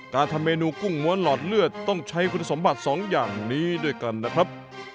การทำเมนูกุ้งม้วนหลอดเลือดต้องใช้คุณสมบัติสองอย่างนี้ด้วยกันนะครับ